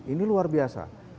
ini luar biasa